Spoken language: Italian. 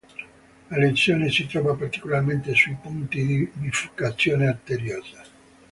La lesione si trova particolarmente sui punti di biforcazione arteriosa.